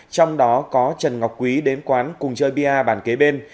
trong đó có trần ngọc quý đến quán cùng chơi bia bàn kế bên